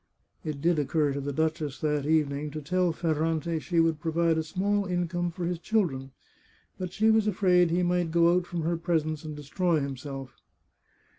It did occur to the duchess, that evening, to tell Fer 391 The Chartreuse of Parma rante she would provide a small income for his children. But she was afraid he might go out from her presence and destroy himself.